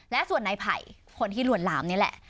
และส่วนในไผ่คนที่ลวนลามนี่แหละ